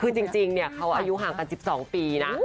คือจริงเขาอายุห่างกัน๑๒ปีนะ